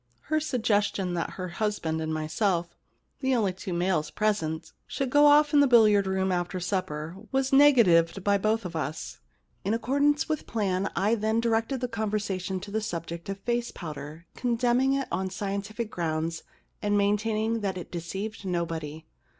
Her sugges tion that her husband and myself, the only two males present, should go off to the 30 The Kiss Problem billiard room after supper, was negatived by both of us. In accordance with plan I then directed the conversation to the subject of face powder, condemning it on scientific grounds and maintaining that it deceived nobody.